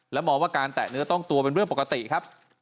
มองว่าการแตะเนื้อต้องตัวเป็นเรื่องปกติครับ